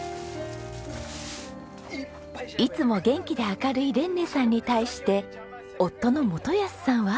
いつも元気で明るいレンネさんに対して夫の基保さんは。